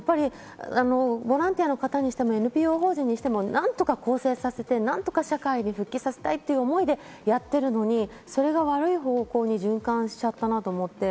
やっぱりボランティアの方にしても、ＮＰＯ法人にしても何とか更生させて何とか社会に復帰させたいという思いでやっているのに、それが悪い方向に循環しちゃったなと思って。